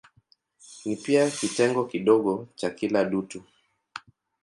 Ni pia kitengo kidogo cha kila dutu.